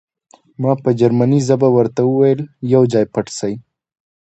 ما په جرمني ژبه ورته وویل چې یو ځای پټ شئ